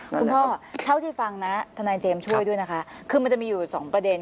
คุณพ่อเท่าที่ฟังนะทนายเจมส์ช่วยด้วยนะคะคือมันจะมีอยู่สองประเด็น